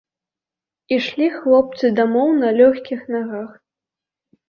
Ішлі хлопцы дамоў на лёгкіх нагах.